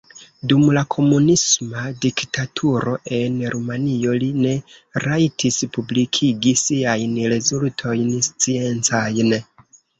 Dum la komunisma diktaturo en Rumanio li ne rajtis publikigi siajn rezultojn sciencajn.